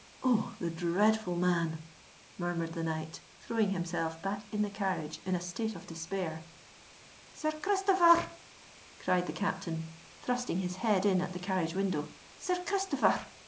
"Oh! the dreadful man!" murmured the knight, throwing himself back in the carriage in a state of despair. "Sir Christopher r r!" cried the captain, thrusting his head in at the carriage window: "Sir Christopher r r!"